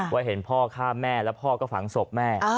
ว่าเห็นพ่อฆ่าแม่และพ่อฟังศพแม่